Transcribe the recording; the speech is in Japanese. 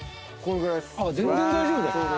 これくらいです。